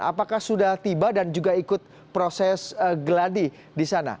apakah sudah tiba dan juga ikut proses geladi di sana